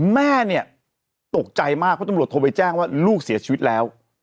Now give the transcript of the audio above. แม่เนี่ยตกใจมากเพราะตำรวจโทรไปแจ้งว่าลูกเสียชีวิตแล้ว